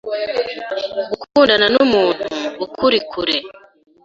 gukundana n’umuntu ukuri kure